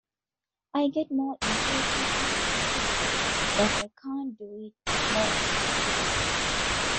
I get more impatient and frustrated that I can't do it more often.